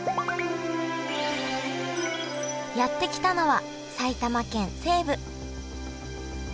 やって来たのは埼玉県西部。